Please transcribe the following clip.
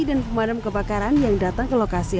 bmi dan pemadam kebakaran yang datang ke lokasi